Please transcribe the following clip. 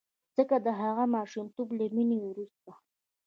ځکه د هغه ماشومتوب له مینې نه وروسته.